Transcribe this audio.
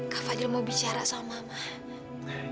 kak fadil mau bicara sama mama